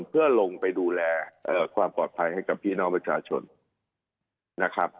เพื่อลงไปดูแลความปลอดภัยให้กับพี่น้องประชาชนนะครับ